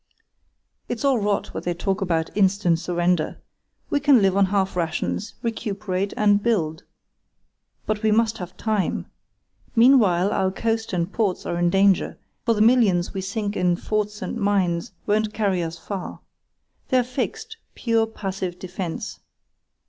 It's all rot what they talk about instant surrender. We can live on half rations, recuperate, and build; but we must have time. Meanwhile our coast and ports are in danger, for the millions we sink in forts and mines won't carry us far. They're fixed—pure passive defence.